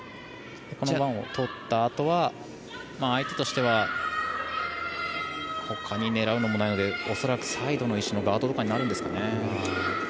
ワンをとったあとは相手としてはほかに狙うのもないのでおそらくサイドの石のガードとかになるんですかね。